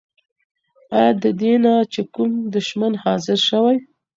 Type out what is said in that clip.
آيا ددينه چې کوم دشمن حاضر شوی؟